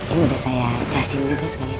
udah saya casin juga sekarang ya